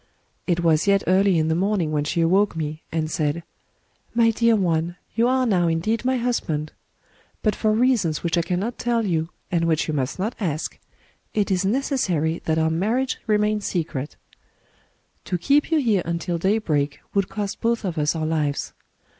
"It was yet early in the morning when she awoke me, and said :' My dear one, you are now indeed my husband. But for reasons which I cannot tell you, and which you must not ask, Digitized by Googk 78 THE STORY OF CHCGORO it is necessary that our marriage remain secret. To keep you here until daybreak would cost both of us our lives.